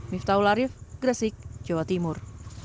miftahul arief gresik jawa timur